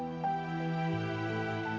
risa pengen tidur